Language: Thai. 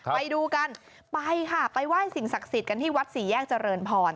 ไปดูกันไปค่ะไปไหว้สิ่งศักดิ์สิทธิ์กันที่วัดสี่แยกเจริญพร